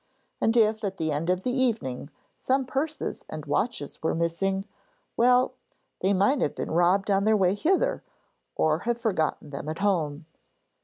And if at the end of the evening some purses and watches were missing, well! they might have been robbed on their way hither, or have forgotten them at home.